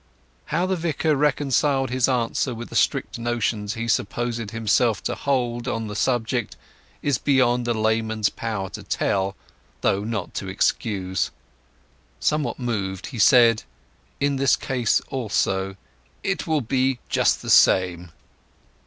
How the Vicar reconciled his answer with the strict notions he supposed himself to hold on these subjects it is beyond a layman's power to tell, though not to excuse. Somewhat moved, he said in this case also— "It will be just the same."